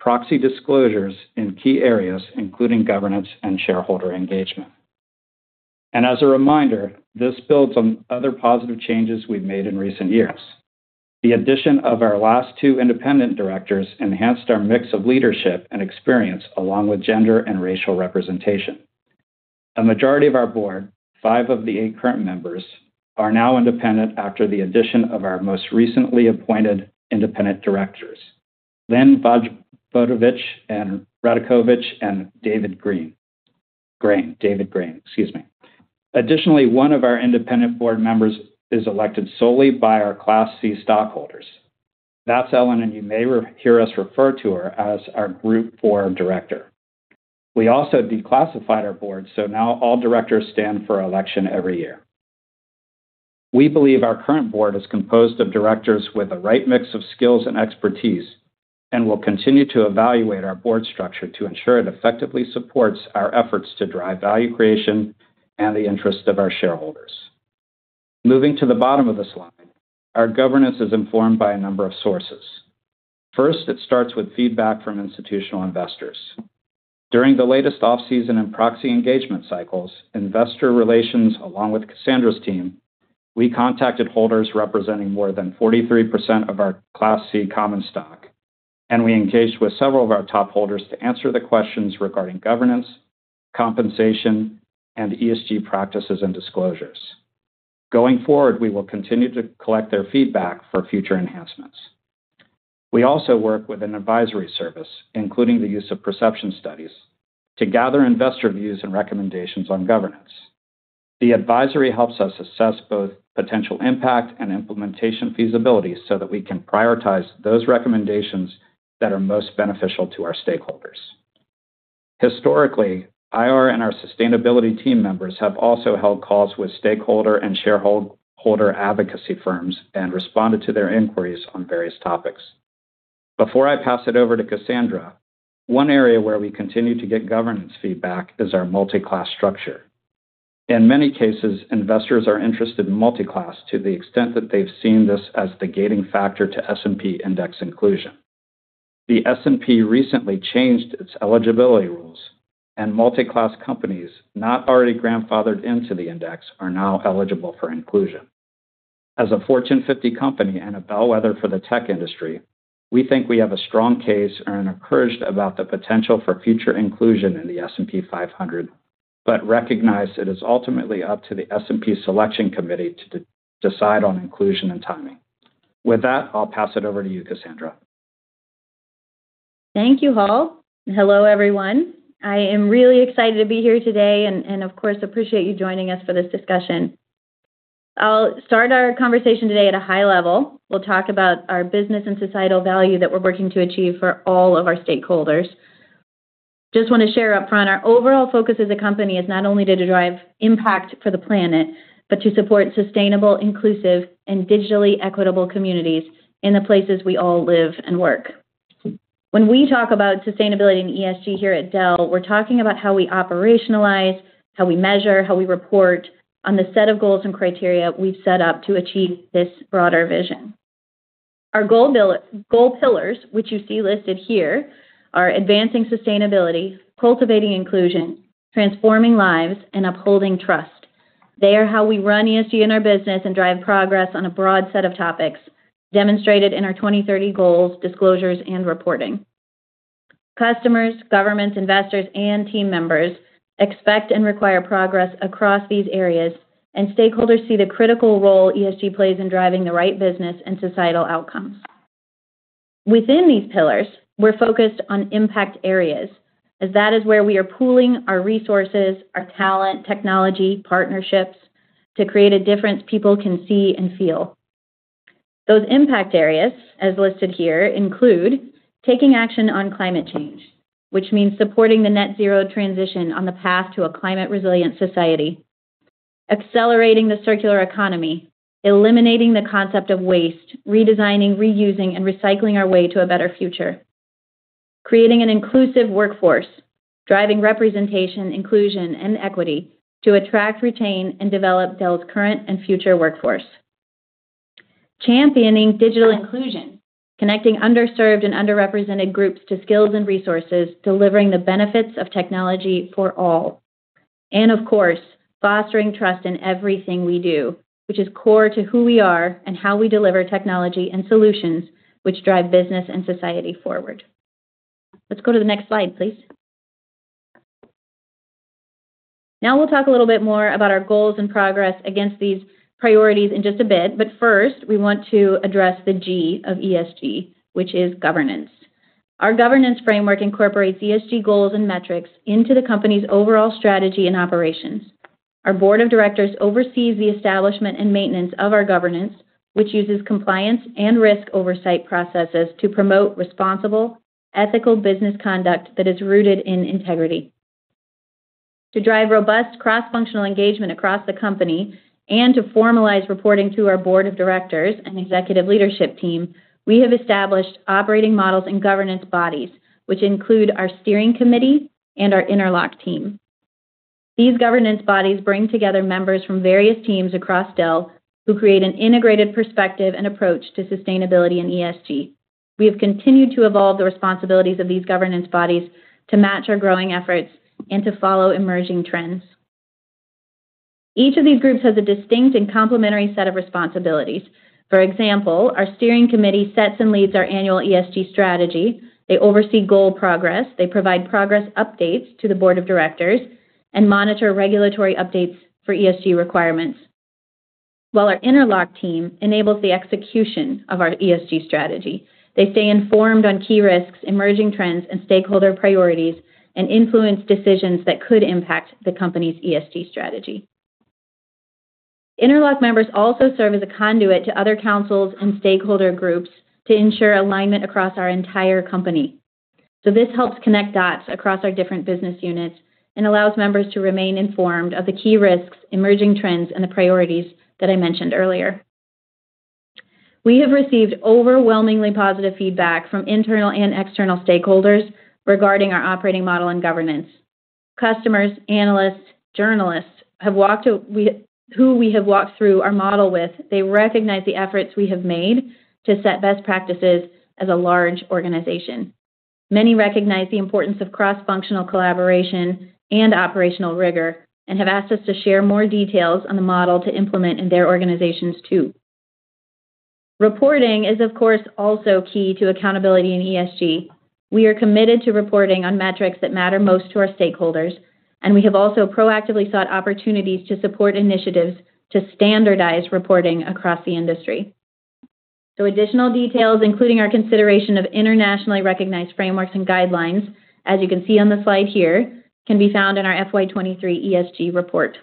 proxy disclosures in key areas, including governance and shareholder engagement. As a reminder, this builds on other positive changes we've made in recent years. The addition of our last two independent directors enhanced our mix of leadership and experience, along with gender and racial representation. A majority of our board, five of the eight current members, are now independent after the addition of our most recently appointed independent directors, Lynn Vojvodich Radakovich and David Grain. Additionally, one of our independent board members is elected solely by our Class C stockholders. That's Ellen Kullman, and you may hear us refer to her as our Group IV director. We also declassified our board, so now all directors stand for election every year. We believe our current board is composed of directors with the right mix of skills and expertise, and we'll continue to evaluate our board structure to ensure it effectively supports our efforts to drive value creation and the interest of our shareholders. Moving to the bottom of the slide, our governance is informed by a number of sources. First, it starts with feedback from institutional investors. During the latest off-season and proxy engagement cycles, investor relations, along with Cassandra's team, we contacted holders representing more than 43% of our Class C common stock, and we engaged with several of our top holders to answer the questions regarding governance, compensation, and ESG practices and disclosures. Going forward, we will continue to collect their feedback for future enhancements. We also work with an advisory service, including the use of perception studies, to gather investor views and recommendations on governance. The advisory helps us assess both potential impact and implementation feasibility, so that we can prioritize those recommendations that are most beneficial to our stakeholders. Historically, IR and our sustainability team members have also held calls with stakeholder and shareholder advocacy firms and responded to their inquiries on various topics. Before I pass it over to Cassandra, one area where we continue to get governance feedback is our multi-class structure. In many cases, investors are interested in multi-class to the extent that they've seen this as the gating factor to S&P index inclusion. The S&P recently changed its eligibility rules, and multi-class companies not already grandfathered into the index are now eligible for inclusion. As a Fortune 50 company and a bellwether for the tech industry, we think we have a strong case and are encouraged about the potential for future inclusion in the S&P 500, but recognize it is ultimately up to the S&P selection committee to decide on inclusion and timing. With that, I'll pass it over to you, Cassandra. Thank you, Hall. Hello, everyone. I am really excited to be here today and of course, appreciate you joining us for this discussion. I'll start our conversation today at a high level. We'll talk about our business and societal value that we're working to achieve for all of our stakeholders. Just want to share up front, our overall focus as a company is not only to drive impact for the planet, but to support sustainable, inclusive, and digitally equitable communities in the places we all live and work. When we talk about sustainability and ESG here at Dell, we're talking about how we operationalize, how we measure, how we report on the set of goals and criteria we've set up to achieve this broader vision. Our goal pillars, which you see listed here, are Advancing Sustainability, Cultivating Inclusion, Transforming Lives, and Upholding Trust. They are how we run ESG in our business and drive progress on a broad set of topics, demonstrated in our 2030 goals, disclosures, and reporting. Customers, governments, investors, and team members expect and require progress across these areas, and stakeholders see the critical role ESG plays in driving the right business and societal outcomes. Within these pillars, we're focused on impact areas, as that is where we are pooling our resources, our talent, technology, partnerships, to create a difference people can see and feel. Those impact areas, as listed here, include taking action on climate change, which means supporting the net zero transition on the path to a climate-resilient society. Accelerating the circular economy, eliminating the concept of waste, redesigning, reusing, and recycling our way to a better future. Creating an inclusive workforce, driving representation, inclusion, and equity to attract, retain, and develop Dell's current and future workforce. Championing digital inclusion, connecting underserved and underrepresented groups to skills and resources, delivering the benefits of technology for all. Of course, fostering trust in everything we do, which is core to who we are and how we deliver technology and solutions which drive business and society forward. Let's go to the next slide, please. Now, we'll talk a little bit more about our goals and progress against these priorities in just a bit, but first, we want to address the G of ESG, which is governance. Our governance framework incorporates ESG goals and metrics into the company's overall strategy and operations. Our board of directors oversees the establishment and maintenance of our governance, which uses compliance and risk oversight processes to promote responsible, ethical business conduct that is rooted in integrity. To drive robust cross-functional engagement across the company and to formalize reporting to our board of directors and executive leadership team, we have established operating models and governance bodies, which include our steering committee and our interlock team. These governance bodies bring together members from various teams across Dell, who create an integrated perspective and approach to sustainability and ESG. We have continued to evolve the responsibilities of these governance bodies to match our growing efforts and to follow emerging trends. Each of these groups has a distinct and complementary set of responsibilities. For example, our steering committee sets and leads our annual ESG strategy, they oversee goal progress, they provide progress updates to the board of directors, and monitor regulatory updates for ESG requirements. While our interlock team enables the execution of our ESG strategy, they stay informed on key risks, emerging trends, and stakeholder priorities, and influence decisions that could impact the company's ESG strategy. Interlock members also serve as a conduit to other councils and stakeholder groups to ensure alignment across our entire company. This helps connect dots across our different business units and allows members to remain informed of the key risks, emerging trends, and the priorities that I mentioned earlier. We have received overwhelmingly positive feedback from internal and external stakeholders regarding our operating model and governance. Customers, analysts, journalists who we have walked through our model with, they recognize the efforts we have made to set best practices as a large organization. Many recognize the importance of cross-functional collaboration and operational rigor, and have asked us to share more details on the model to implement in their organizations, too. Reporting is, of course, also key to accountability in ESG. We are committed to reporting on metrics that matter most to our stakeholders, and we have also proactively sought opportunities to support initiatives to standardize reporting across the industry. Additional details, including our consideration of internationally recognized frameworks and guidelines, as you can see on the slide here, can be found in our FY23 ESG report.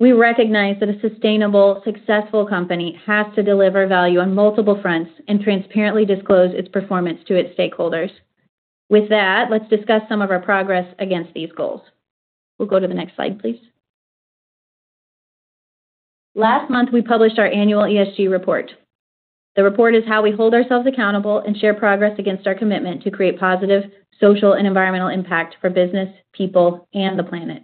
We recognize that a sustainable, successful company has to deliver value on multiple fronts and transparently disclose its performance to its stakeholders. With that, let's discuss some of our progress against these goals. We'll go to the next slide, please. Last month, we published our annual ESG report. The report is how we hold ourselves accountable and share progress against our commitment to create positive social and environmental impact for business, people, and the planet.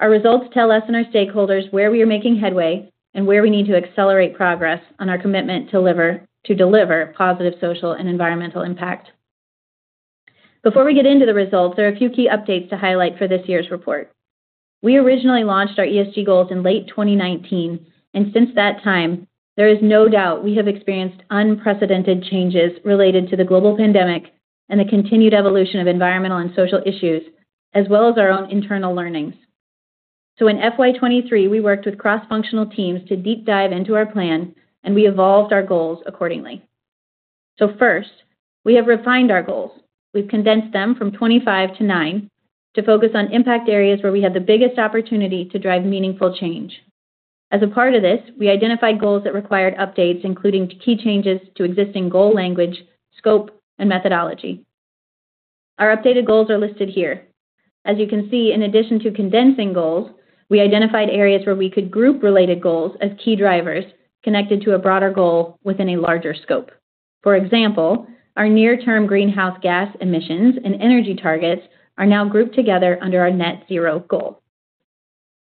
Our results tell us and our stakeholders where we are making headway and where we need to accelerate progress on our commitment to deliver positive social and environmental impact. Before we get into the results, there are a few key updates to highlight for this year's report. We originally launched our ESG goals in late 2019, and since that time, there is no doubt we have experienced unprecedented changes related to the global pandemic and the continued evolution of environmental and social issues, as well as our own internal learnings. In FY23, we worked with cross-functional teams to deep dive into our plan, and we evolved our goals accordingly. First, we have refined our goals. We've condensed them from 25 to 9 to focus on impact areas where we had the biggest opportunity to drive meaningful change. As a part of this, we identified goals that required updates, including key changes to existing goal language, scope, and methodology. Our updated goals are listed here. As you can see, in addition to condensing goals, we identified areas where we could group related goals as key drivers connected to a broader goal within a larger scope. For example, our near-term greenhouse gas emissions and energy targets are now grouped together under our net zero goal.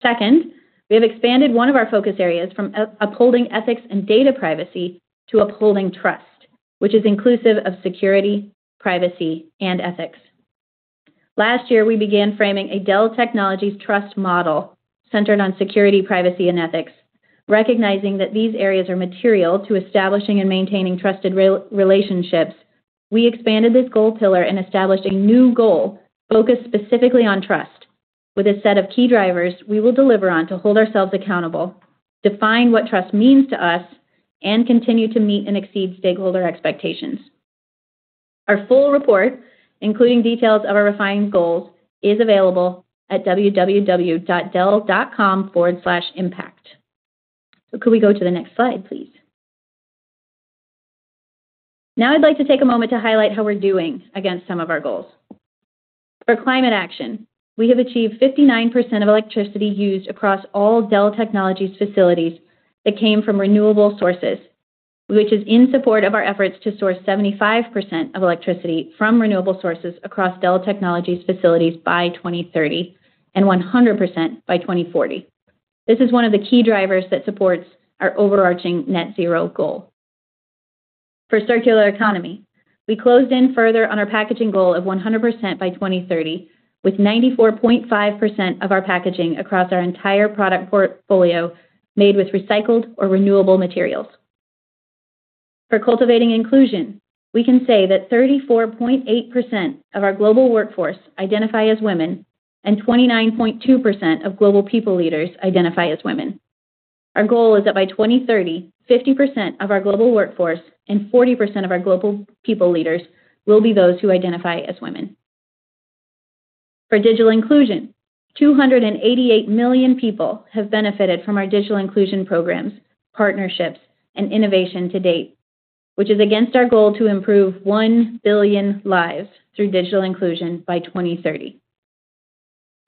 Second, we have expanded one of our focus areas from upholding ethics and data privacy to upholding trust, which is inclusive of security, privacy, and ethics. Last year, we began framing a Dell Technologies trust model centered on security, privacy, and ethics. Recognizing that these areas are material to establishing and maintaining trusted relationships, we expanded this goal pillar and established a new goal focused specifically on trust. With a set of key drivers, we will deliver on to hold ourselves accountable, define what trust means to us, and continue to meet and exceed stakeholder expectations. Our full report, including details of our refined goals, is available at www.dell.com/impact. Could we go to the next slide, please? Now, I'd like to take a moment to highlight how we're doing against some of our goals. For climate action, we have achieved 59% of electricity used across all Dell Technologies facilities that came from renewable sources, which is in support of our efforts to source 75% of electricity from renewable sources across Dell Technologies facilities by 2030, and 100% by 2040. This is one of the key drivers that supports our overarching net zero goal. For circular economy, we closed in further on our packaging goal of 100% by 2030, with 94.5% of our packaging across our entire product portfolio made with recycled or renewable materials. For cultivating inclusion, we can say that 34.8% of our global workforce identify as women, and 29.2% of global people leaders identify as women. Our goal is that by 2030, 50% of our global workforce and 40% of our global people leaders will be those who identify as women. For digital inclusion, 288 million people have benefited from our digital inclusion programs, partnerships, and innovation to date, which is against our goal to improve 1 billion lives through digital inclusion by 2030.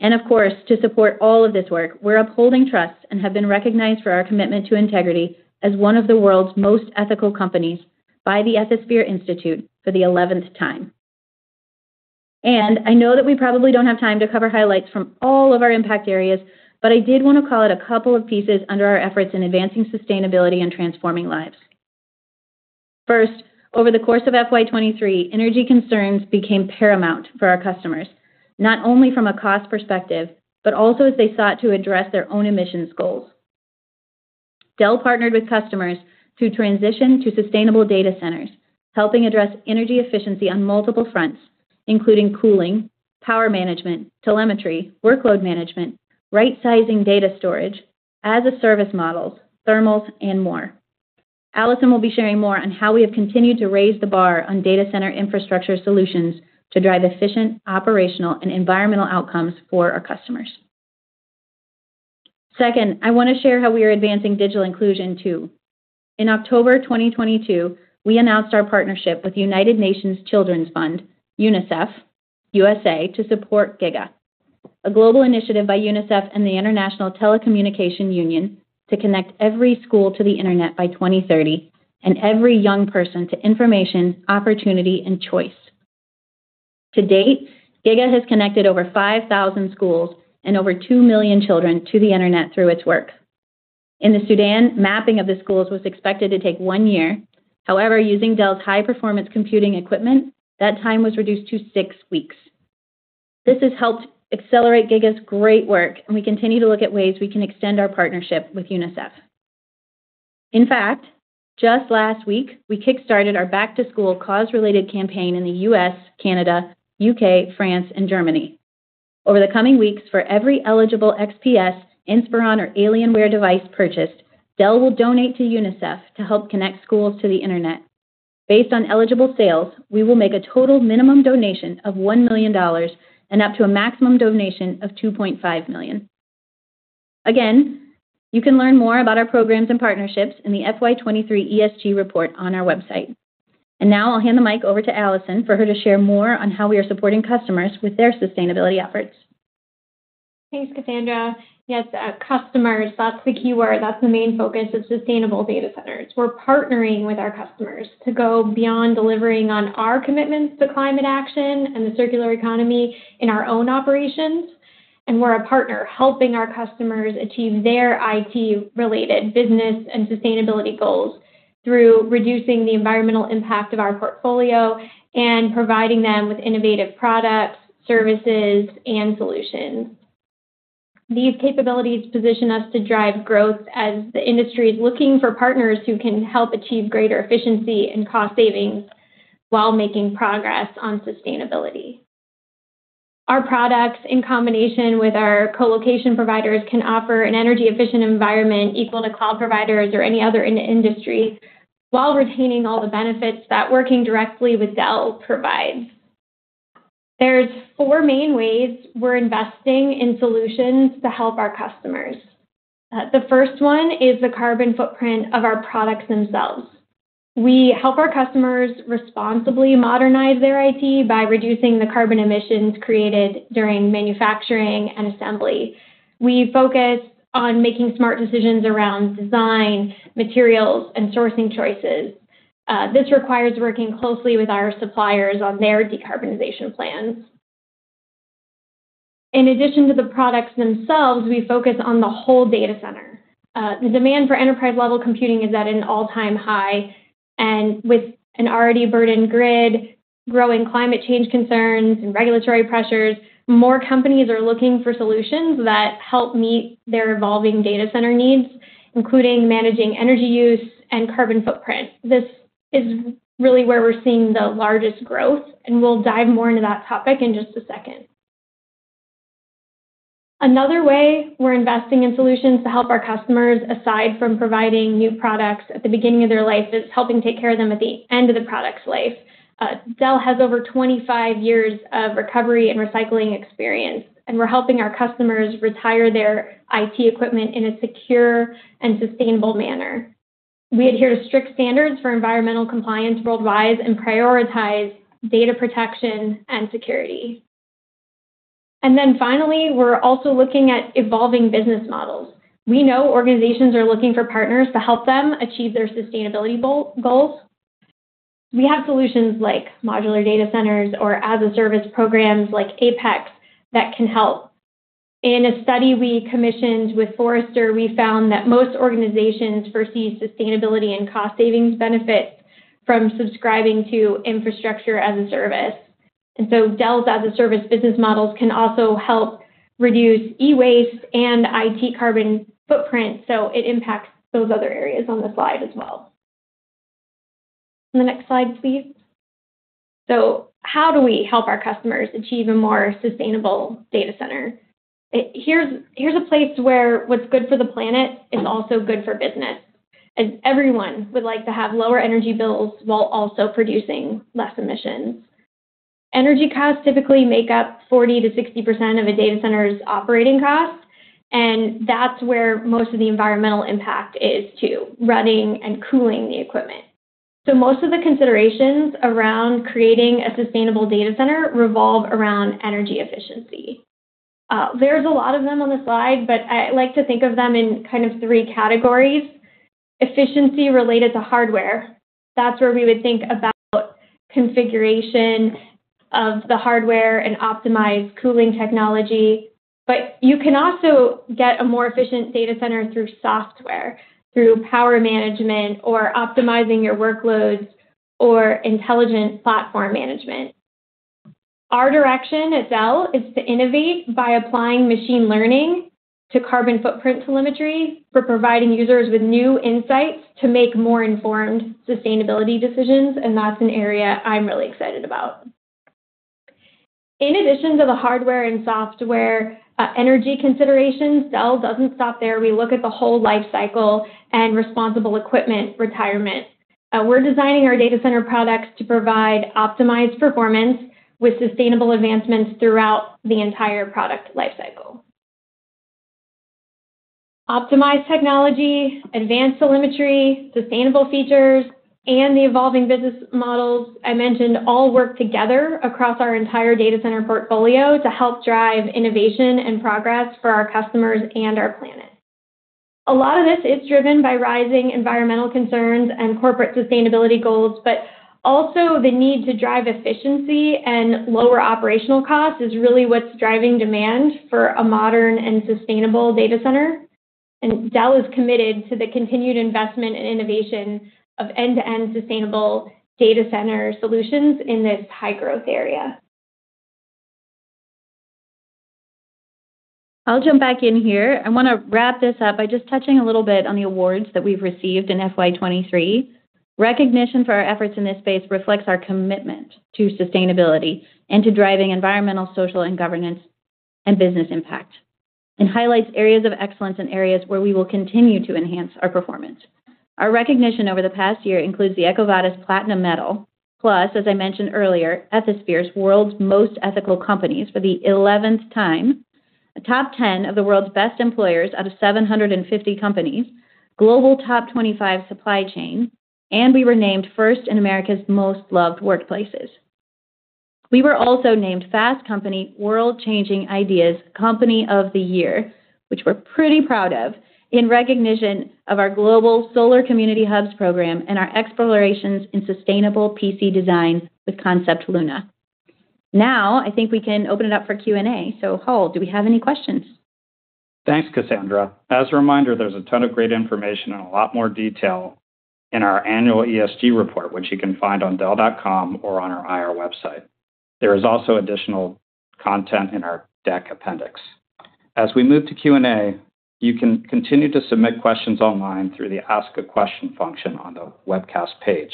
Of course, to support all of this work, we're upholding trust and have been recognized for our commitment to integrity as one of the World's Most Ethical Companies by the Ethisphere for the 11th time. I know that we probably don't have time to cover highlights from all of our impact areas, but I did want to call out a couple of pieces under our efforts in advancing sustainability and transforming lives. First, over the course of FY23, energy concerns became paramount for our customers, not only from a cost perspective, but also as they sought to address their own emissions goals. Dell partnered with customers to transition to sustainable data centers, helping address energy efficiency on multiple fronts, including cooling, power management, telemetry, workload management, right-sizing data storage, as-a-service models, thermals, and more. Allison will be sharing more on how we have continued to raise the bar on data center infrastructure solutions to drive efficient, operational, and environmental outcomes for our customers. Second, I want to share how we are advancing digital inclusion, too. In October 2022, we announced our partnership with United Nations Children's Fund, UNICEF USA, to support Giga, a global initiative by UNICEF and the International Telecommunication Union to connect every school to the internet by 2030 and every young person to information, opportunity, and choice. To date, Giga has connected over 5,000 schools and over 2 million children to the internet through its work. In the Sudan, mapping of the schools was expected to take 1 year. However, using Dell's high-performance computing equipment, that time was reduced to 6 weeks. This has helped accelerate Giga's great work, and we continue to look at ways we can extend our partnership with UNICEF. In fact, just last week, we kickstarted our back-to-school cause-related campaign in the U.S., Canada, U.K., France, and Germany. Over the coming weeks, for every eligible XPS, Inspiron, or Alienware device purchased, Dell will donate to UNICEF to help connect schools to the internet. Based on eligible sales, we will make a total minimum donation of $1 million and up to a maximum donation of $2.5 million. Again, you can learn more about our programs and partnerships in the FY23 ESG report on our website. Now I'll hand the mic over to Allison for her to share more on how we are supporting customers with their sustainability efforts. Thanks, Cassandra. Yes, customers, that's the key word. That's the main focus of sustainable data centers. We're partnering with our customers to go beyond delivering on our commitments to climate action and the circular economy in our own operations. We're a partner helping our customers achieve their IT-related business and sustainability goals through reducing the environmental impact of our portfolio and providing them with innovative products, services, and solutions. These capabilities position us to drive growth as the industry is looking for partners who can help achieve greater efficiency and cost savings while making progress on sustainability. Our products, in combination with our colocation providers, can offer an energy-efficient environment equal to cloud providers or any other in the industry, while retaining all the benefits that working directly with Dell provides. There's 4 main ways we're investing in solutions to help our customers. The first one is the carbon footprint of our products themselves. We help our customers responsibly modernize their IT by reducing the carbon emissions created during manufacturing and assembly. We focus on making smart decisions around design, materials, and sourcing choices. This requires working closely with our suppliers on their decarbonization plans. In addition to the products themselves, we focus on the whole data center. The demand for enterprise-level computing is at an all-time high, and with an already burdened grid, growing climate change concerns, and regulatory pressures, more companies are looking for solutions that help meet their evolving data center needs, including managing energy use and carbon footprint. This is really where we're seeing the largest growth, and we'll dive more into that topic in just a second. Another way we're investing in solutions to help our customers, aside from providing new products at the beginning of their life, is helping take care of them at the end of the product's life. Dell has over 25 years of recovery and recycling experience, and we're helping our customers retire their IT equipment in a secure and sustainable manner. We adhere to strict standards for environmental compliance worldwide and prioritize data protection and security. Finally, we're also looking at evolving business models. We know organizations are looking for partners to help them achieve their sustainability goals. We have solutions like modular data centers or as-a-service programs like APEX that can help. In a study we commissioned with Forrester, we found that most organizations foresee sustainability and cost savings benefits from subscribing to infrastructure as a service. Dell's as-a-service business models can also help reduce e-waste and IT carbon footprint, so it impacts those other areas on the slide as well. The next slide, please. How do we help our customers achieve a more sustainable data center? Here's, here's a place where what's good for the planet is also good for business, as everyone would like to have lower energy bills while also producing less emissions. Energy costs typically make up 40%-60% of a data center's operating costs, and that's where most of the environmental impact is, too, running and cooling the equipment. Most of the considerations around creating a sustainable data center revolve around energy efficiency. There's a lot of them on the slide, but I like to think of them in kind of three categories. Efficiency related to hardware, that's where we would think about configuration of the hardware and optimized cooling technology. You can also get a more efficient data center through software, through power management or optimizing your workloads or intelligent platform management. Our direction at Dell is to innovate by applying machine learning to carbon footprint telemetry for providing users with new insights to make more informed sustainability decisions, and that's an area I'm really excited about. In addition to the hardware and software, energy considerations, Dell doesn't stop there. We look at the whole life cycle and responsible equipment retirement. We're designing our data center products to provide optimized performance with sustainable advancements throughout the entire product life cycle. Optimized technology, advanced telemetry, sustainable features, and the evolving business models I mentioned, all work together across our entire data center portfolio to help drive innovation and progress for our customers and our planet. A lot of this is driven by rising environmental concerns and corporate sustainability goals, but also the need to drive efficiency and lower operational costs is really what's driving demand for a modern and sustainable data center. Dell is committed to the continued investment and innovation of end-to-end sustainable data center solutions in this high-growth area. I'll jump back in here. I wanna wrap this up by just touching a little bit on the awards that we've received in FY23. Recognition for our efforts in this space reflects our commitment to sustainability and to driving environmental, social, and governance, and business impact, and highlights areas of excellence and areas where we will continue to enhance our performance. Our recognition over the past year includes the EcoVadis Platinum Medal, plus, as I mentioned earlier, Ethisphere's World's Most Ethical Companies for the 11th time, a top 10 of the World's Best Employers out of 750 companies, Global Top 25 Supply Chain, and we were named first in America's Most Loved Workplaces. We were also named Fast Company World Changing Ideas Company of the Year, which we're pretty proud of, in recognition of our global Solar Community Hubs program and our explorations in sustainable PC design with Concept Luna. I think we can open it up for Q&A. Hall, do we have any questions? Thanks, Cassandra. As a reminder, there's a ton of great information and a lot more detail in our annual ESG report, which you can find on dell.com or on our IR website. There is also additional content in our deck appendix. As we move to Q&A, you can continue to submit questions online through the Ask a Question function on the webcast page.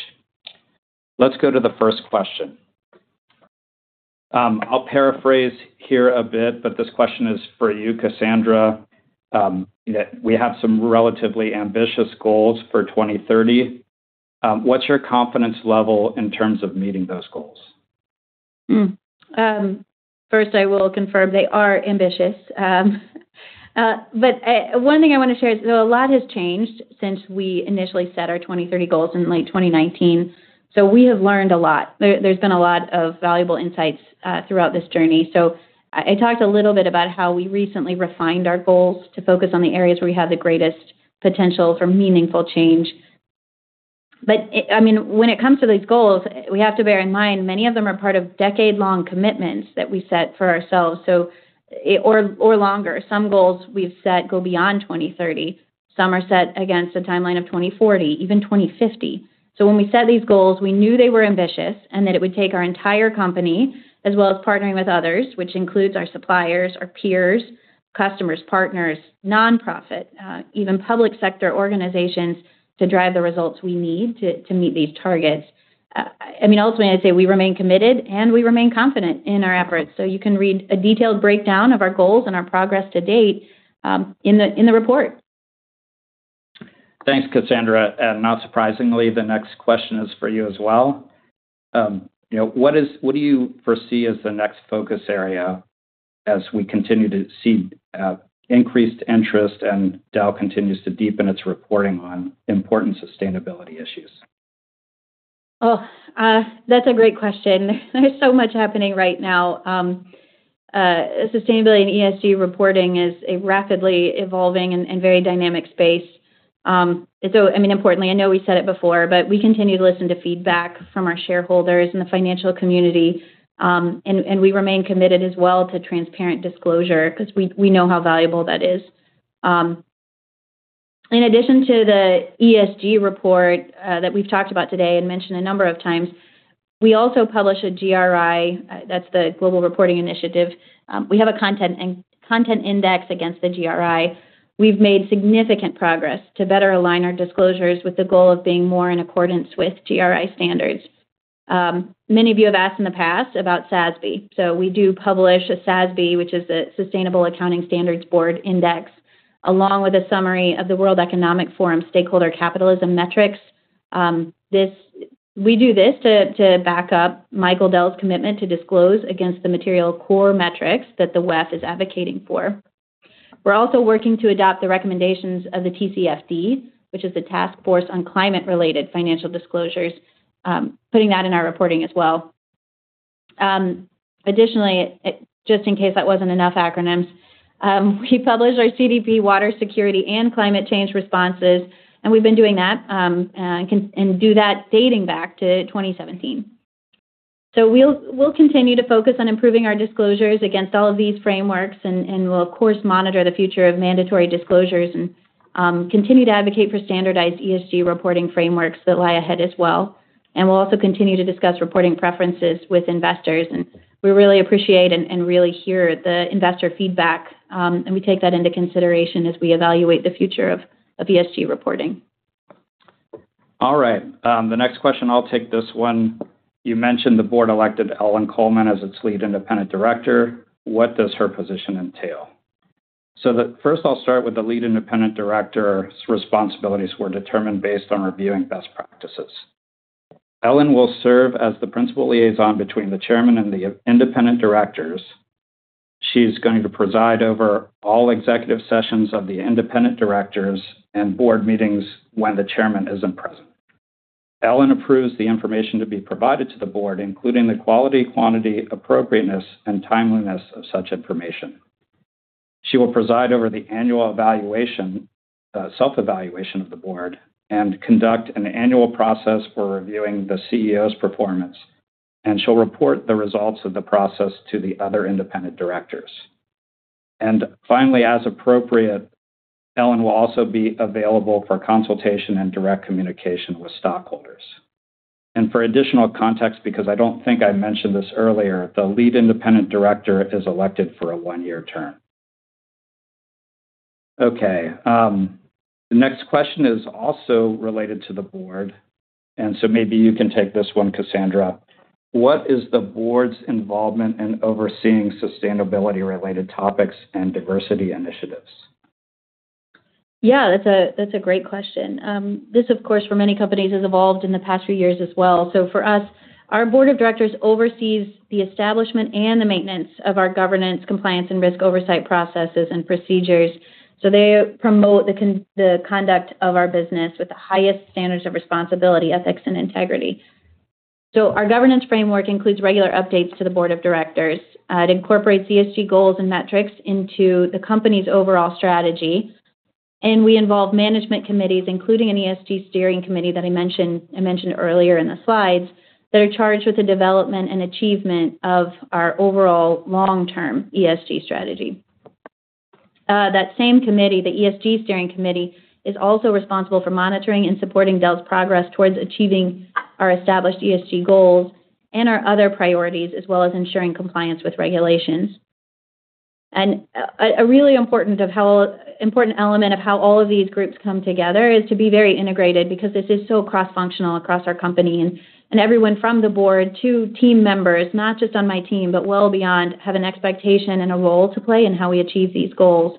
Let's go to the first question. I'll paraphrase here a bit, but this question is for you, Cassandra. That we have some relatively ambitious goals for 2030. What's your confidence level in terms of meeting those goals? First, I will confirm they are ambitious. One thing I want to share is, a lot has changed since we initially set our 2030 goals in late 2019, we have learned a lot. There, there's been a lot of valuable insights throughout this journey. I, I talked a little bit about how we recently refined our goals to focus on the areas where we have the greatest potential for meaningful change. It. I mean, when it comes to these goals, we have to bear in mind, many of them are part of decade-long commitments that we set for ourselves, so it, or, or longer. Some goals we've set go beyond 2030. Some are set against a timeline of 2040, even 2050. When we set these goals, we knew they were ambitious and that it would take our entire company, as well as partnering with others, which includes our suppliers, our peers, customers, partners, nonprofit, even public sector organizations, to drive the results we need to, to meet these targets. I mean, ultimately, I'd say we remain committed and we remain confident in our efforts. You can read a detailed breakdown of our goals and our progress to date, in the, in the report. Thanks, Cassandra. Not surprisingly, the next question is for you as well. You know, what do you foresee as the next focus area as we continue to see increased interest and Dell continues to deepen its reporting on important sustainability issues? That's a great question. There's so much happening right now. Sustainability and ESG reporting is a rapidly evolving and very dynamic space. Importantly, I know we said it before, but we continue to listen to feedback from our shareholders and the financial community, and we remain committed as well to transparent disclosure because we know how valuable that is. In addition to the ESG report that we've talked about today and mentioned a number of times, we also publish a GRI, that's the Global Reporting Initiative. We have a content and content index against the GRI. We've made significant progress to better align our disclosures with the goal of being more in accordance with GRI standards. Many of you have asked in the past about SASB. We do publish a SASB, which is the Sustainability Accounting Standards Board index, along with a summary of the World Economic Forum stakeholder capitalism metrics. This we do this to, to back up Michael Dell's commitment to disclose against the material core metrics that the WEF is advocating for. We're also working to adopt the recommendations of the TCFD, which is the Task Force on Climate-related Financial Disclosures, putting that in our reporting as well. Additionally, just in case that wasn't enough acronyms, we publish our CDP water security and climate change responses, and we've been doing that and do that dating back to 2017. We'll, we'll continue to focus on improving our disclosures against all of these frameworks, and we'll of course, monitor the future of mandatory disclosures and continue to advocate for standardized ESG reporting frameworks that lie ahead as well. We'll also continue to discuss reporting preferences with investors, and we really appreciate and really hear the investor feedback. We take that into consideration as we evaluate the future of ESG reporting. All right. The next question, I'll take this one. You mentioned the board elected Ellen Kullman as its Lead Independent Director. What does her position entail? First, I'll start with the Lead Independent Director's responsibilities were determined based on reviewing best practices. Ellen will serve as the principal liaison between the chairman and the independent directors. She's going to preside over all executive sessions of the independent directors and board meetings when the chairman isn't present. Ellen approves the information to be provided to the board, including the quality, quantity, appropriateness, and timeliness of such information. She will preside over the annual evaluation, self-evaluation of the board, and conduct an annual process for reviewing the CEO's performance, and she'll report the results of the process to the other independent directors. Finally, as appropriate, Ellen will also be available for consultation and direct communication with stockholders. For additional context, because I don't think I mentioned this earlier, the lead independent director is elected for a 1-year term. Okay, the next question is also related to the board, and so maybe you can take this one, Cassandra. What is the board's involvement in overseeing sustainability-related topics and diversity initiatives? Yeah, that's a, that's a great question. This, of course, for many companies, has evolved in the past few years as well. For us, our board of directors oversees the establishment and the maintenance of our governance, compliance, and risk oversight processes and procedures. They promote the conduct of our business with the highest standards of responsibility, ethics, and integrity. Our governance framework includes regular updates to the board of directors. It incorporates ESG goals and metrics into the company's overall strategy, and we involve management committees, including an ESG Steering Committee that I mentioned, I mentioned earlier in the slides, that are charged with the development and achievement of our overall long-term ESG strategy. That same committee, the ESG Steering Committee, is also responsible for monitoring and supporting Dell's progress towards achieving our established ESG goals and our other priorities, as well as ensuring compliance with regulations. A really important element of how all of these groups come together is to be very integrated because this is so cross-functional across our company. Everyone from the board to team members, not just on my team, but well beyond, have an expectation and a role to play in how we achieve these goals.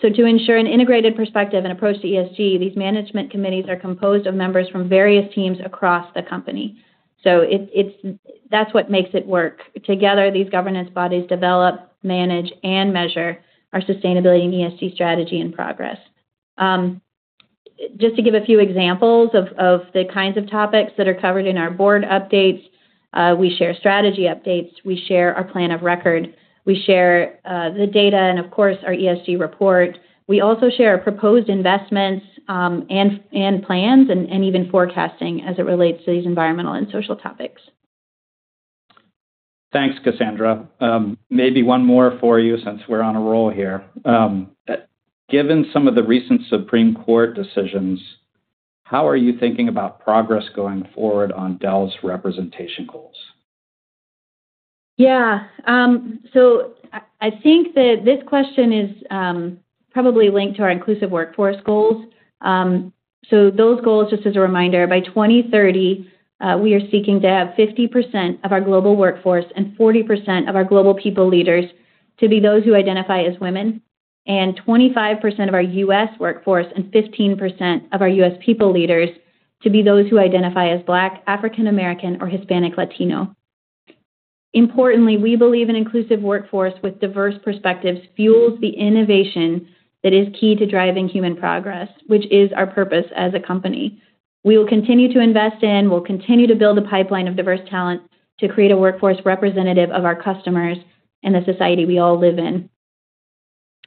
To ensure an integrated perspective and approach to ESG, these management committees are composed of members from various teams across the company. That's what makes it work. Together, these governance bodies develop, manage, and measure our sustainability and ESG strategy and progress. Just to give a few examples of, of the kinds of topics that are covered in our board updates, we share strategy updates, we share our plan of record, we share the data, and of course, our ESG report. We also share our proposed investments, and, and plans, and, and even forecasting as it relates to these environmental and social topics. Thanks, Cassandra. Maybe one more for you since we're on a roll here. Given some of the recent Supreme Court decisions, how are you thinking about progress going forward on Dell's representation goals? Yeah. So I, I think that this question is probably linked to our inclusive workforce goals. So those goals, just as a reminder, by 2030, we are seeking to have 50% of our global workforce and 40% of our global people leaders to be those who identify as women, and 25% of our U.S. workforce and 15% of our U.S. people leaders to be those who identify as Black, African American, or Hispanic Latino. Importantly, we believe an inclusive workforce with diverse perspectives fuels the innovation that is key to driving human progress, which is our purpose as a company. We will continue to invest in, we'll continue to build a pipeline of diverse talent to create a workforce representative of our customers and the society we all live in.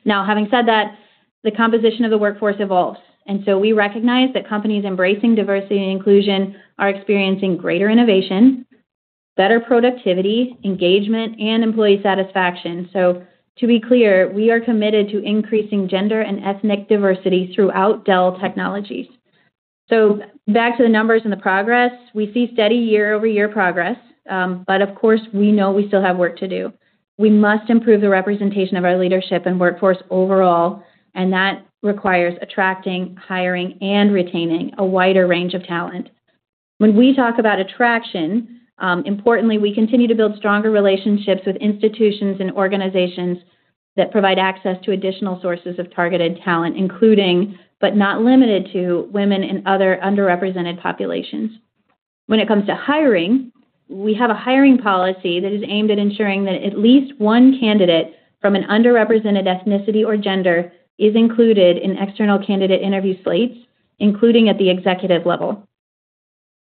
Having said that, the composition of the workforce evolves. We recognize that companies embracing diversity and inclusion are experiencing greater innovation, better productivity, engagement, and employee satisfaction. To be clear, we are committed to increasing gender and ethnic diversity throughout Dell Technologies. Back to the numbers and the progress. We see steady year-over-year progress, but of course, we know we still have work to do. We must improve the representation of our leadership and workforce overall, and that requires attracting, hiring, and retaining a wider range of talent. When we talk about attraction, importantly, we continue to build stronger relationships with institutions and organizations that provide access to additional sources of targeted talent, including, but not limited to women and other underrepresented populations. When it comes to hiring, we have a hiring policy that is aimed at ensuring that at least one candidate from an underrepresented ethnicity or gender is included in external candidate interview slates, including at the executive level.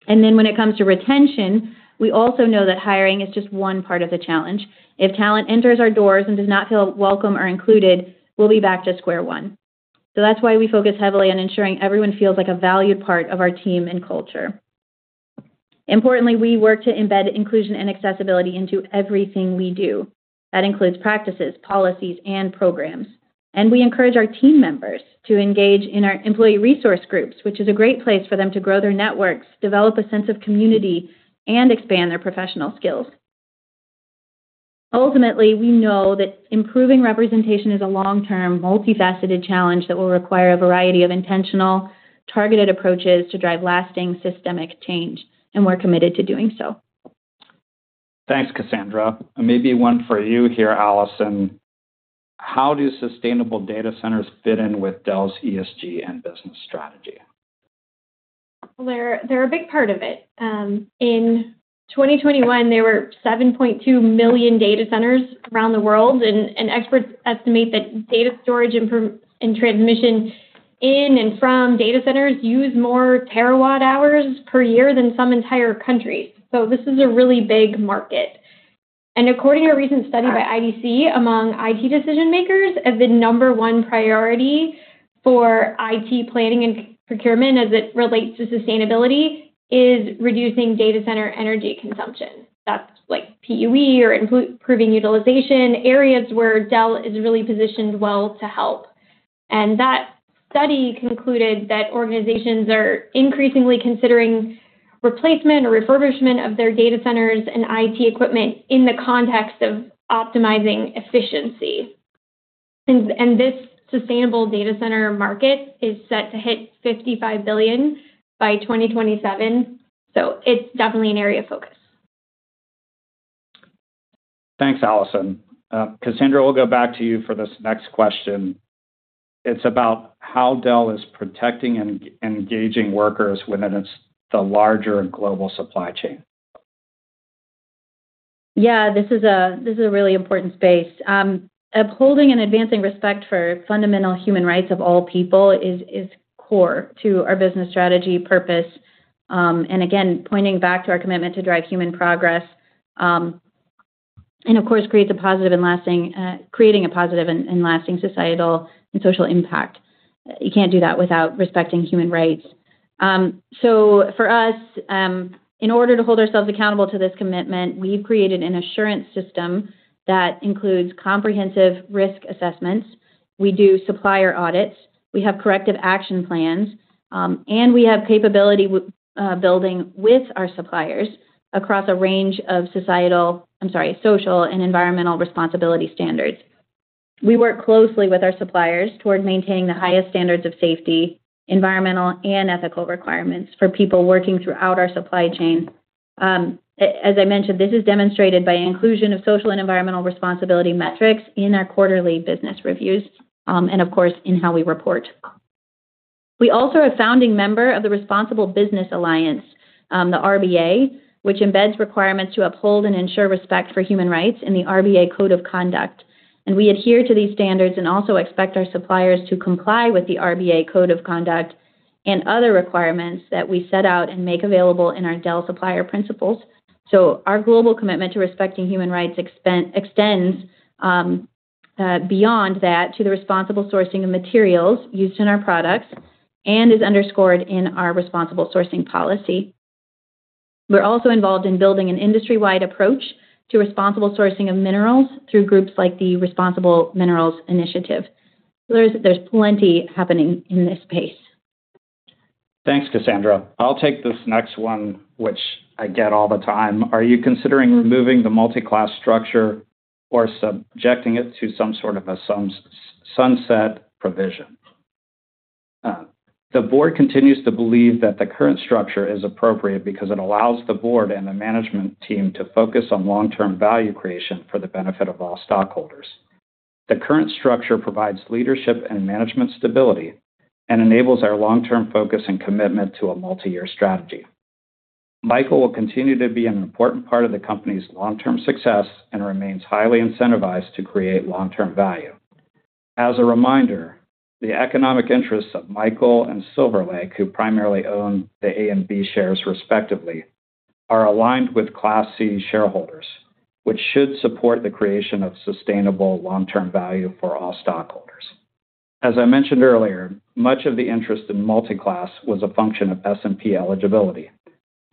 Then when it comes to retention, we also know that hiring is just one part of the challenge. If talent enters our doors and does not feel welcome or included, we'll be back to square one. That's why we focus heavily on ensuring everyone feels like a valued part of our team and culture. Importantly, we work to embed inclusion and accessibility into everything we do. That includes practices, policies, and programs. We encourage our team members to engage in our employee resource groups, which is a great place for them to grow their networks, develop a sense of community, and expand their professional skills. Ultimately, we know that improving representation is a long-term, multifaceted challenge that will require a variety of intentional, targeted approaches to drive lasting systemic change, and we're committed to doing so. Thanks, Cassandra. Maybe one for you here, Allison. How do sustainable data centers fit in with Dell's ESG and business strategy? Well, they're, they're a big part of it. In 2021, there were 7.2 million data centers around the world, experts estimate that data storage and and transmission in and from data centers use more terawatt-hours per year than some entire countries. This is a really big market. According to a recent study by IDC, among IT decision-makers, the number one priority for IT planning and procurement as it relates to sustainability is reducing data center energy consumption. That's like PUE or improving utilization, areas where Dell is really positioned well to help. That study concluded that organizations are increasingly considering replacement or refurbishment of their data centers and IT equipment in the context of optimizing efficiency. This sustainable data center market is set to hit $55 billion by 2027, so it's definitely an area of focus. Thanks, Allison. Cassandra, we'll go back to you for this next question. It's about how Dell is protecting and engaging workers within its larger global supply chain. Yeah, this is a, this is a really important space. Upholding and advancing respect for fundamental human rights of all people is, is core to our business strategy purpose, and again, pointing back to our commitment to drive human progress, and of course, create a positive and lasting, creating a positive and, and lasting societal and social impact. You can't do that without respecting human rights. For us, in order to hold ourselves accountable to this commitment, we've created an assurance system that includes comprehensive risk assessments. We do supplier audits, we have corrective action plans, and we have capability with, building with our suppliers across a range of societal-- I'm sorry, social and environmental responsibility standards. We work closely with our suppliers toward maintaining the highest standards of safety, environmental, and ethical requirements for people working throughout our supply chain. As I mentioned, this is demonstrated by inclusion of social and environmental responsibility metrics in our quarterly business reviews, and of course, in how we report. We also are a founding member of the Responsible Business Alliance, the RBA, which embeds requirements to uphold and ensure respect for human rights in the RBA Code of Conduct. We adhere to these standards and also expect our suppliers to comply with the RBA Code of Conduct and other requirements that we set out and make available in our Dell Supplier Principles. Our global commitment to respecting human rights extends beyond that to the responsible sourcing of materials used in our products and is underscored in our responsible sourcing policy. We're also involved in building an industry-wide approach to responsible sourcing of minerals through groups like the Responsible Minerals Initiative. There's plenty happening in this space. Thanks, Cassandra. I'll take this next one, which I get all the time: Are you considering removing the multi-class structure or subjecting it to some sort of a sunset, sunset provision? The board continues to believe that the current structure is appropriate because it allows the board and the management team to focus on long-term value creation for the benefit of all stockholders. The current structure provides leadership and management stability and enables our long-term focus and commitment to a multi-year strategy. Michael will continue to be an important part of the company's long-term success and remains highly incentivized to create long-term value. As a reminder, the economic interests of Michael and Silver Lake, who primarily own the Class A and Class B shares respectively, are aligned with Class C shareholders, which should support the creation of sustainable long-term value for all stockholders. As I mentioned earlier, much of the interest in multi-class was a function of S&P eligibility.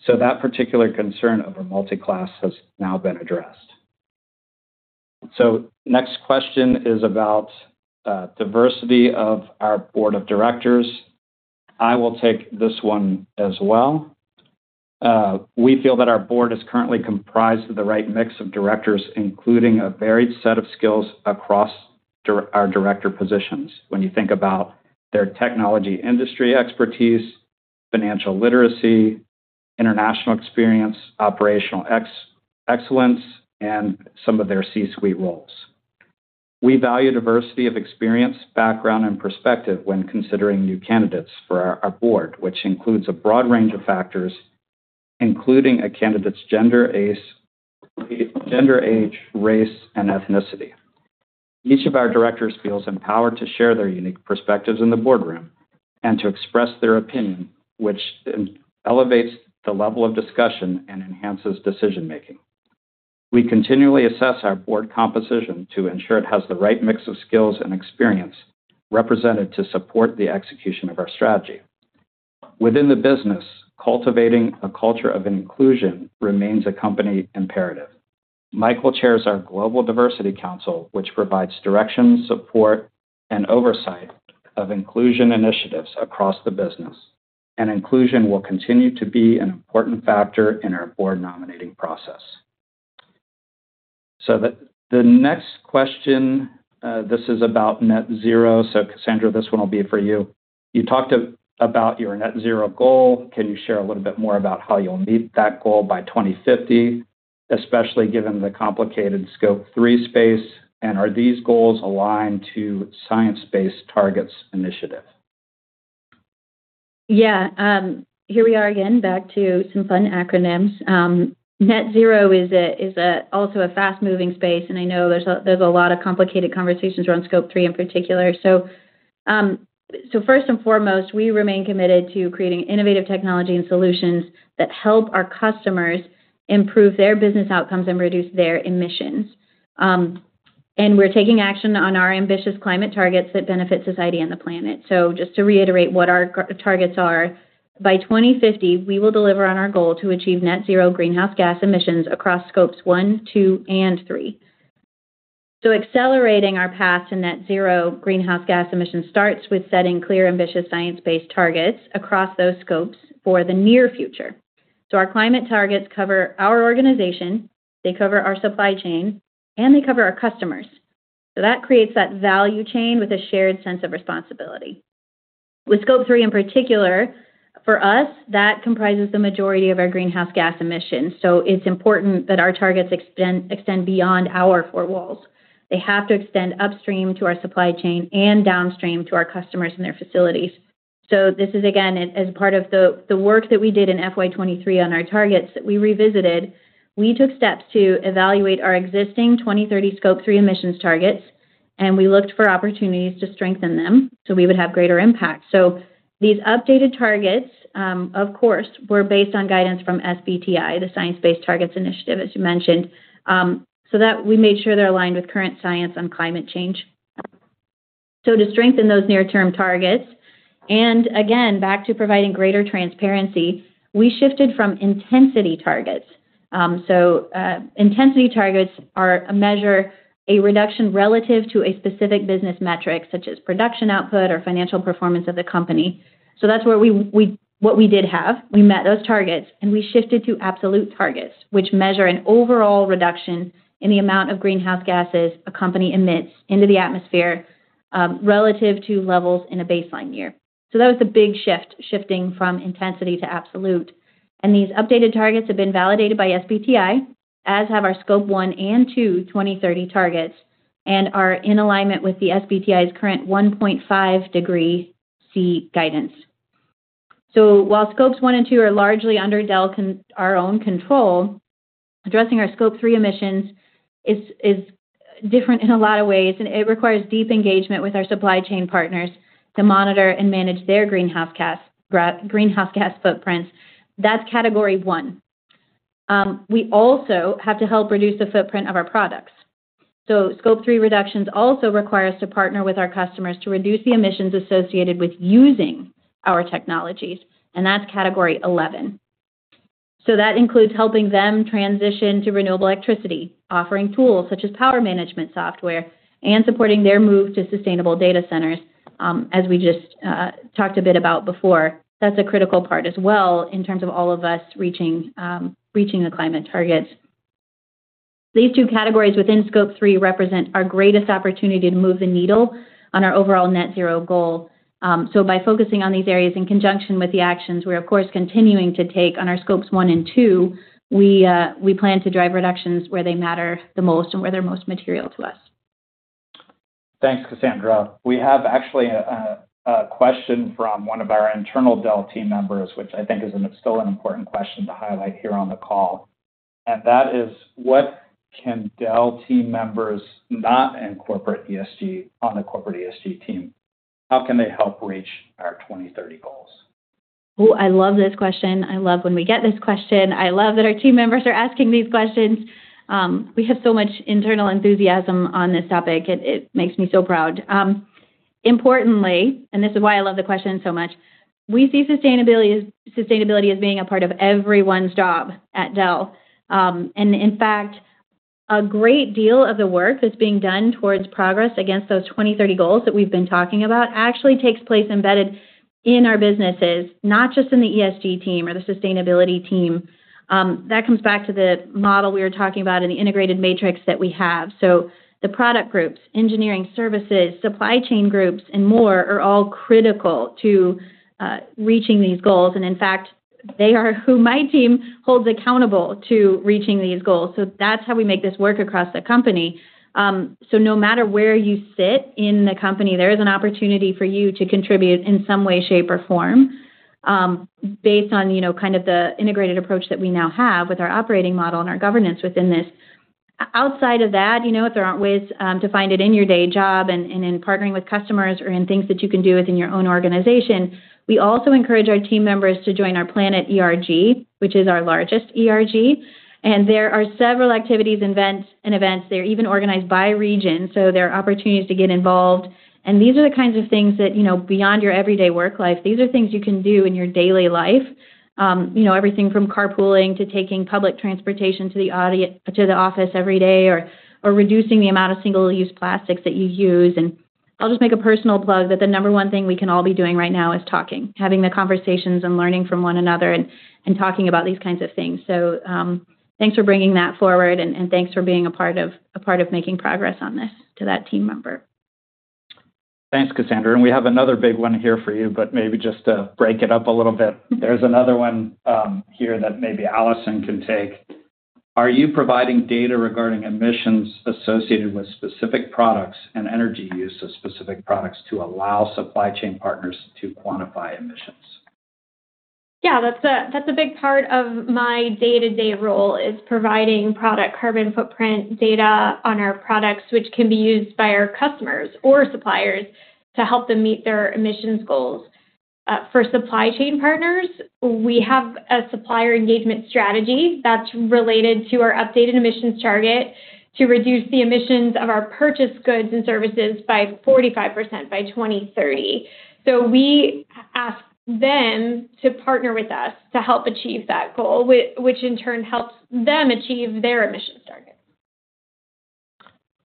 That particular concern over multi-class has now been addressed. Next question is about diversity of our board of directors. I will take this one as well. We feel that our board is currently comprised of the right mix of directors, including a varied set of skills across our director positions. When you think about their technology industry expertise, financial literacy, international experience, operational excellence, and some of their C-suite roles. We value diversity of experience, background, and perspective when considering new candidates for our, our board, which includes a broad range of factors, including a candidate's gender, gender, age, race, and ethnicity. Each of our directors feels empowered to share their unique perspectives in the boardroom and to express their opinion, which elevates the level of discussion and enhances decision-making. We continually assess our board composition to ensure it has the right mix of skills and experience represented to support the execution of our strategy. Within the business, cultivating a culture of inclusion remains a company imperative. Michael chairs our Global Diversity Council, which provides direction, support, and oversight of inclusion initiatives across the business. Inclusion will continue to be an important factor in our board nominating process. The next question, this is about net zero. Cassandra, this one will be for you. You talked about your net zero goal. Can you share a little bit more about how you'll meet that goal by 2050, especially given the complicated Scope 3 space? Are these goals aligned to Science Based Targets initiative? Yeah. Here we are again, back to some fun acronyms. Net zero is also a fast-moving space, and I know there's a lot of complicated conversations around Scope 3 in particular. First and foremost, we remain committed to creating innovative technology and solutions that help our customers improve their business outcomes and reduce their emissions. We're taking action on our ambitious climate targets that benefit society and the planet. Just to reiterate what our g- targets are, by 2050, we will deliver on our goal to achieve net zero greenhouse gas emissions across Scope 1, 2, and 3. Accelerating our path to net zero greenhouse gas emissions starts with setting clear, ambitious, science-based targets across those scopes for the near future. Our climate targets cover our organization, they cover our supply chain, and they cover our customers. That creates that value chain with a shared sense of responsibility. With Scope 3, in particular, for us, that comprises the majority of our greenhouse gas emissions, so it's important that our targets extend, extend beyond our four walls. They have to extend upstream to our supply chain and downstream to our customers and their facilities. This is, again, as part of the, the work that we did in FY23 on our targets that we revisited. We took steps to evaluate our existing 2030 Scope 3 emissions targets, and we looked for opportunities to strengthen them so we would have greater impact. These updated targets, of course, were based on guidance from SBTi, the Science Based Targets initiative, as you mentioned, so that we made sure they're aligned with current science on climate change. To strengthen those near-term targets, and again, back to providing greater transparency, we shifted from intensity targets. Intensity targets are a measure, a reduction relative to a specific business metric, such as production output or financial performance of the company. That's where what we did have. We met those targets, and we shifted to absolute targets, which measure an overall reduction in the amount of greenhouse gases a company emits into the atmosphere, relative to levels in a baseline year. That was a big shift, shifting from intensity to absolute. These updated targets have been validated by SBTi, as have our Scope 1 and 2 2030 targets, and are in alignment with the SBTi's current 1.5 degrees Celsius guidance. While Scope 1 and 2 are largely under Dell our own control, addressing our Scope 3 emissions is different in a lot of ways, and it requires deep engagement with our supply chain partners to monitor and manage their greenhouse gas footprints. That's Category 1. We also have to help reduce the footprint of our products. Scope 3 reductions also require us to partner with our customers to reduce the emissions associated with using our technologies, and that's Category 11. That includes helping them transition to renewable electricity, offering tools such as power management software, and supporting their move to sustainable data centers, as we just talked a bit about before. That's a critical part as well in terms of all of us reaching reaching the climate targets. These two categories within Scope 3 represent our greatest opportunity to move the needle on our overall net zero goal. By focusing on these areas in conjunction with the actions, we're of course, continuing to take on our Scopes 1 and 2, we plan to drive reductions where they matter the most and where they're most material to us. Thanks, Cassandra. We have actually a question from one of our internal Dell team members, which I think is still an important question to highlight here on the call. That is: What can Dell team members not in corporate ESG, on the corporate ESG team, how can they help reach our 2030 goals? Oh, I love this question. I love when we get this question. I love that our team members are asking these questions. We have so much internal enthusiasm on this topic, it, it makes me so proud. Importantly, and this is why I love the question so much, we see sustainability as, sustainability as being a part of everyone's job at Dell. In fact, a great deal of the work that's being done towards progress against those 2030 goals that we've been talking about actually takes place embedded in our businesses, not just in the ESG team or the sustainability team. That comes back to the model we were talking about in the integrated matrix that we have. The product groups, engineering services, supply chain groups, and more, are all critical to reaching these goals. they are who my team holds accountable to reaching these goals. That's how we make this work across the company. So no matter where you sit in the company, there is an opportunity for you to contribute in some way, shape, or form, based on, you know, kind of the integrated approach that we now have with our operating model and our governance within this. Outside of that, you know, if there aren't ways to find it in your day job and, and in partnering with customers or in things that you can do within your own organization, we also encourage our team members to join our Planet ERG, which is our largest ERG. There are several activities and events, and events. They're even organized by region, so there are opportunities to get involved. These are the kinds of things that, you know, beyond your everyday work life, these are things you can do in your daily life. You know, everything from carpooling to taking public transportation to the office every day, or, or reducing the amount of single-use plastics that you use. I'll just make a personal plug, that the number one thing we can all be doing right now is talking. Having the conversations and learning from one another and, and talking about these kinds of things. Thanks for bringing that forward, and, and thanks for being a part of, a part of making progress on this to that team member. Thanks, Cassandra. We have another big one here for you, but maybe just to break it up a little bit. There's another one here that maybe Allison can take. Are you providing data regarding emissions associated with specific products and energy use of specific products to allow supply chain partners to quantify emissions? Yeah, that's a, that's a big part of my day-to-day role, is providing product carbon footprint data on our products, which can be used by our customers or suppliers to help them meet their emissions goals. For supply chain partners, we have a supplier engagement strategy that's related to our updated emissions target to reduce the emissions of our purchased goods and services by 45% by 2030. We ask them to partner with us to help achieve that goal, which in turn helps them achieve their emissions target.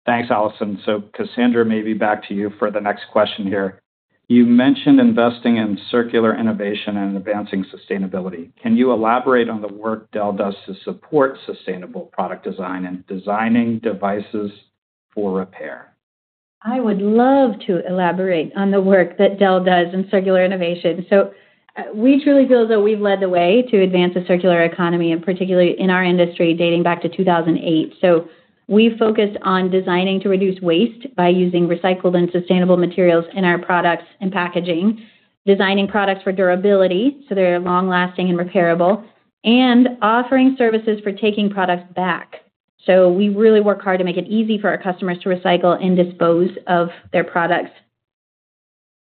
Thanks, Allison. Cassandra, maybe back to you for the next question here. You mentioned investing in circular innovation and advancing sustainability. Can you elaborate on the work Dell does to support sustainable product design and designing devices for repair? I would love to elaborate on the work that Dell does in circular innovation. We truly feel that we've led the way to advance a circular economy, and particularly in our industry, dating back to 2008. We focus on designing to reduce waste by using recycled and sustainable materials in our products and packaging, designing products for durability, so they're long-lasting and repairable, and offering services for taking products back. We really work hard to make it easy for our customers to recycle and dispose of their products.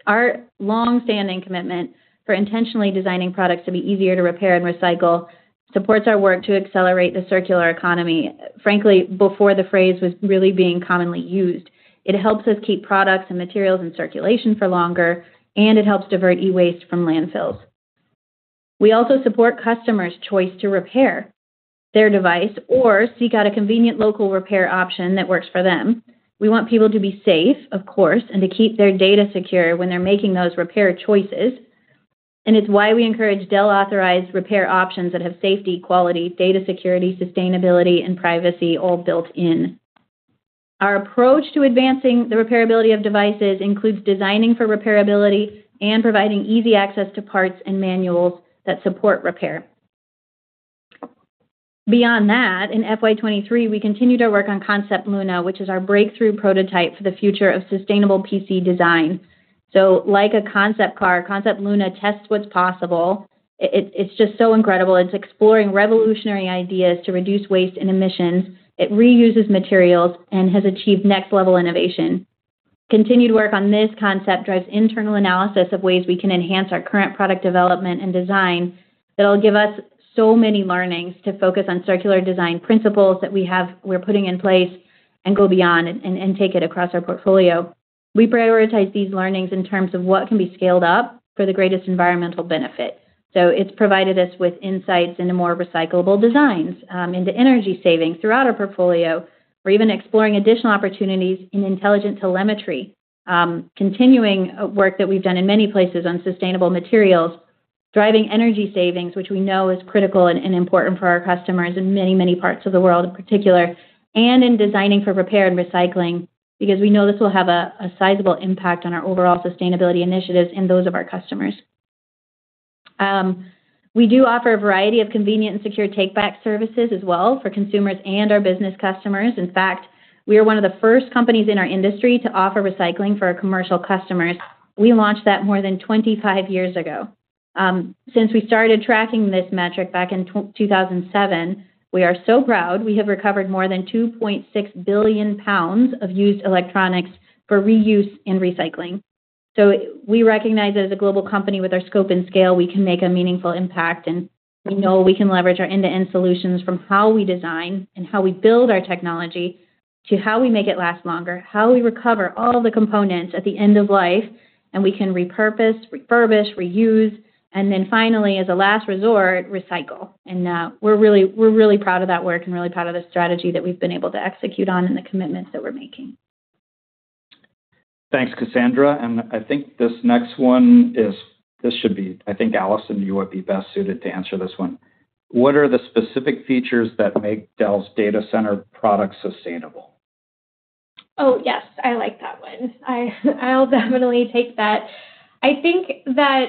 Our long-standing commitment for intentionally designing products to be easier to repair and recycle supports our work to accelerate the circular economy, frankly, before the phrase was really being commonly used. It helps us keep products and materials in circulation for longer, and it helps divert e-waste from landfills. We also support customers' choice to repair their device or seek out a convenient local repair option that works for them. We want people to be safe, of course, and to keep their data secure when they're making those repair choices. It's why we encourage Dell authorized repair options that have safety, quality, data security, sustainability, and privacy all built in. Our approach to advancing the repairability of devices includes designing for repairability and providing easy access to parts and manuals that support repair. Beyond that, in FY23, we continued our work on Concept Luna, which is our breakthrough prototype for the future of sustainable PC design. Like a concept car, Concept Luna tests what's possible. It's just so incredible. It's exploring revolutionary ideas to reduce waste and emissions. It reuses materials and has achieved next-level innovation. Continued work on this concept drives internal analysis of ways we can enhance our current product development and design. It'll give us so many learnings to focus on circular design principles that we're putting in place and go beyond and take it across our portfolio. We prioritize these learnings in terms of what can be scaled up for the greatest environmental benefit. So it's provided us with insights into more recyclable designs, into energy savings throughout our portfolio, or even exploring additional opportunities in intelligent telemetry. Continuing work that we've done in many places on sustainable materials, driving energy savings, which we know is critical and important for our customers in many, many parts of the world in particular, and in designing for repair and recycling. Because we know this will have a sizable impact on our overall sustainability initiatives and those of our customers. We do offer a variety of convenient and secure take-back services as well for consumers and our business customers. In fact, we are one of the first companies in our industry to offer recycling for our commercial customers. We launched that more than 25 years ago. Since we started tracking this metric back in 2007, we are so proud we have recovered more than 2.6 billion pounds of used electronics for reuse and recycling. We recognize as a global company, with our scope and scale, we can make a meaningful impact, and we know we can leverage our end-to-end solutions from how we design and how we build our technology to how we make it last longer, how we recover all the components at the end of life. We can repurpose, refurbish, reuse, and then finally, as a last resort, recycle. We're really, we're really proud of that work and really proud of the strategy that we've been able to execute on and the commitments that we're making. Thanks, Cassandra. I think this next one, this should be, I think, Allison, you would be best suited to answer this one. What are the specific features that make Dell's data center products sustainable? Oh, yes, I like that one. I, I'll definitely take that. I think that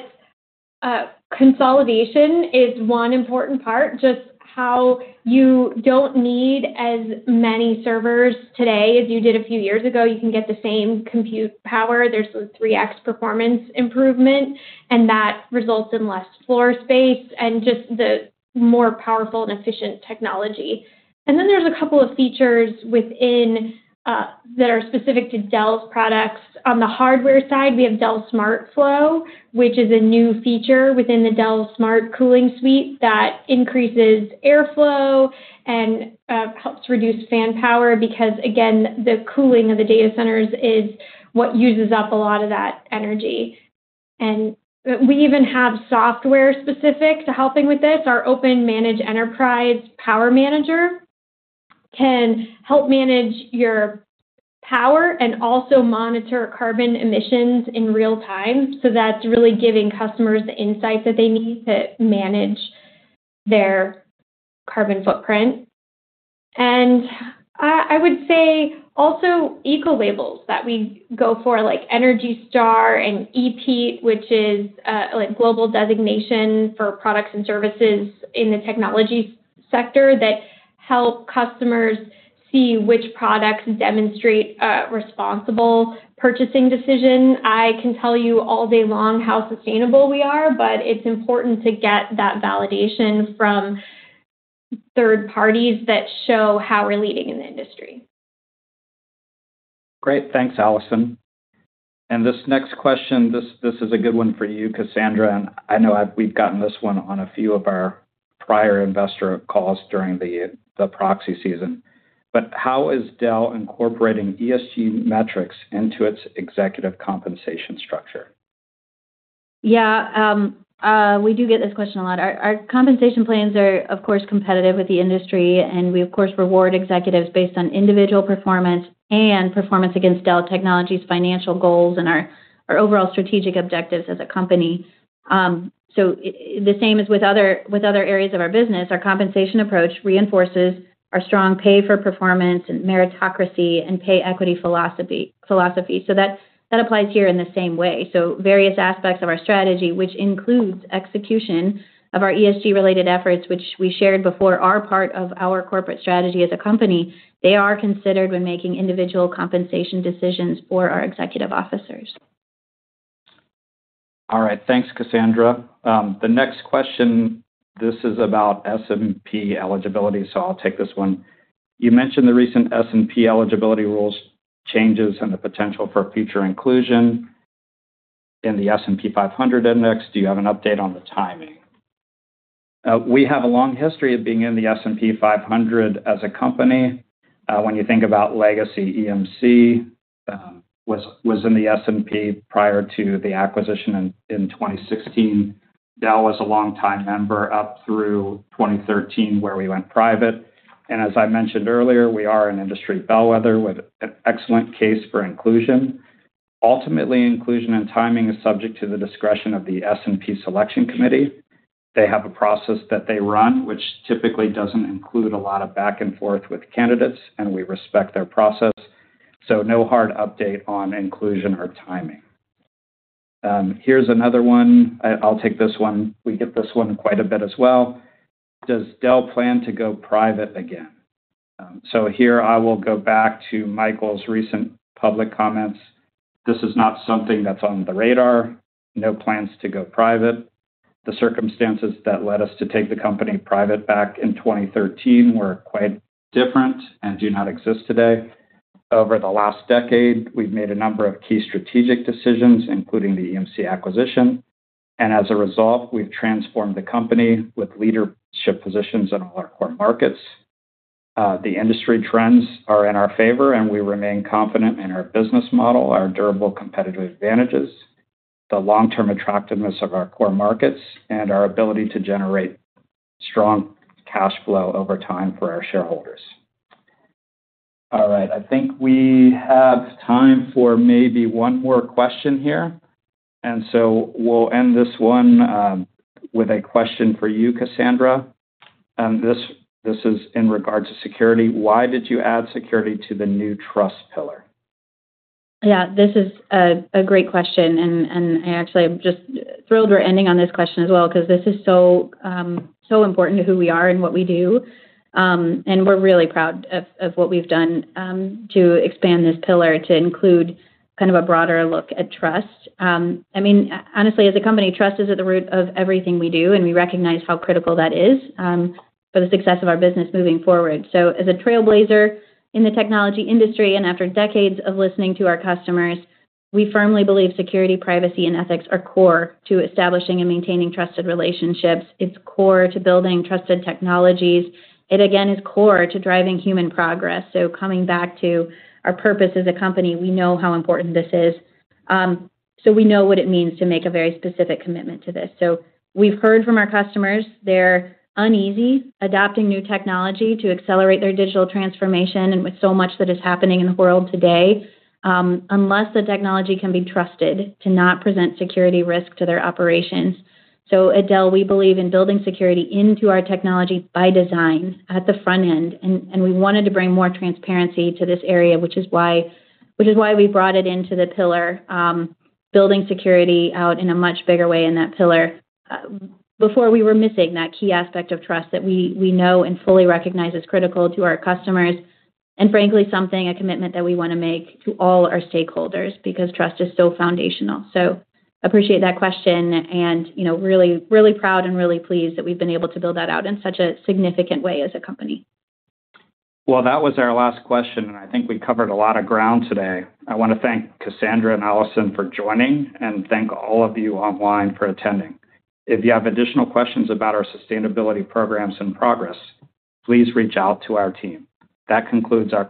consolidation is one important part, just how you don't need as many servers today as you did a few years ago. You can get the same compute power. There's a 3x performance improvement, and that results in less floor space and just the more powerful and efficient technology. There's a couple of features within that are specific to Dell's products. On the hardware side, we have Dell SmartFlow, which is a new feature within the Dell Smart Cooling suite that increases airflow and helps reduce fan power because, again, the cooling of the data centers is what uses up a lot of that energy. We even have software specific to helping with this. Our OpenManage Enterprise Power Manager can help manage your power and also monitor carbon emissions in real time. That's really giving customers the insights that they need to manage their carbon footprint. I would say also eco labels that we go for, like Energy Star and EPEAT, which is like global designation for products and services in the technology sector, that help customers see which products demonstrate a responsible purchasing decision. I can tell you all day long how sustainable we are, but it's important to get that validation from third parties that show how we're leading in the industry. Great. Thanks, Allison. This next question, this is a good one for you, Cassandra, I know we've gotten this one on a few of our prior investor calls during the proxy season. How is Dell incorporating ESG metrics into its executive compensation structure? Yeah, we do get this question a lot. Our compensation plans are, of course, competitive with the industry, and we, of course, reward executives based on individual performance and performance against Dell Technologies financial goals and our overall strategic objectives as a company. The same as with other, with other areas of our business, our compensation approach reinforces our strong pay for performance and meritocracy and pay equity philosophy. That applies here in the same way. Various aspects of our strategy, which includes execution of our ESG-related efforts, which we shared before, are part of our corporate strategy as a company. They are considered when making individual compensation decisions for our executive officers. All right, thanks, Cassandra. The next question, this is about S&P eligibility, so I'll take this one. You mentioned the recent S&P eligibility rules, changes, and the potential for future inclusion in the S&P 500 index. Do you have an update on the timing? We have a long history of being in the S&P 500 as a company. When you think about legacy, EMC was in the S&P prior to the acquisition in 2016. Dell was a long-time member up through 2013, where we went private. As I mentioned earlier, we are an industry bellwether with an excellent case for inclusion. Ultimately, inclusion and timing is subject to the discretion of the S&P selection committee. They have a process that they run, which typically doesn't include a lot of back and forth with candidates, and we respect their process. No hard update on inclusion or timing. Here's another one. I, I'll take this one. We get this one quite a bit as well. Does Dell plan to go private again? Here I will go back to Michael's recent public comments. This is not something that's on the radar. No plans to go private. The circumstances that led us to take the company private back in 2013 were quite different and do not exist today. Over the last decade, we've made a number of key strategic decisions, including the EMC acquisition, and as a result, we've transformed the company with leadership positions in all our core markets. The industry trends are in our favor, and we remain confident in our business model, our durable competitive advantages, the long-term attractiveness of our core markets, and our ability to generate strong cash flow over time for our shareholders. All right, I think we have time for maybe one more question here, so we'll end this one with a question for you, Cassandra. This, this is in regards to security. Why did you add security to the new trust pillar? Yeah, this is a, a great question, and, and I actually am just thrilled we're ending on this question as well, because this is so important to who we are and what we do. We're really proud of, of what we've done to expand this pillar to include kind of a broader look at trust. I mean, honestly, as a company, trust is at the root of everything we do, and we recognize how critical that is for the success of our business moving forward. As a trailblazer in the technology industry and after decades of listening to our customers, we firmly believe security, privacy, and ethics are core to establishing and maintaining trusted relationships. It's core to building trusted technologies. It, again, is core to driving human progress. Coming back to our purpose as a company, we know how important this is. We know what it means to make a very specific commitment to this. We've heard from our customers, they're uneasy adopting new technology to accelerate their digital transformation, and with so much that is happening in the world today, unless the technology can be trusted to not present security risk to their operations. At Dell, we believe in building security into our technology by design at the front end, and we wanted to bring more transparency to this area, which is why we brought it into the pillar, building security out in a much bigger way in that pillar. Before we were missing that key aspect of trust that we, we know and fully recognize is critical to our customers, and frankly, something, a commitment that we wanna make to all our stakeholders, because trust is so foundational. Appreciate that question, and, you know, really, really proud and really pleased that we've been able to build that out in such a significant way as a company. Well, that was our last question, and I think we covered a lot of ground today. I want to thank Cassandra and Allison for joining, and thank all of you online for attending. If you have additional questions about our sustainability programs and progress, please reach out to our team. That concludes our.